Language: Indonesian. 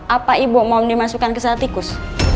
apa ibu mau dimasukkan ke saat tikus